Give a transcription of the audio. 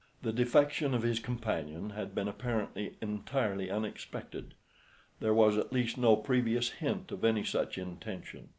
The defection of his companion had been apparently entirely unexpected. There was at least no previous hint of any such intention.